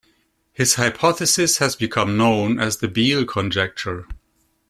His hypothesis has become known as the Beal Conjecture.